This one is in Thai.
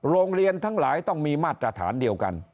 โรงเรียนทั้งหลายต้องมีมาตรฐานเดียวกัน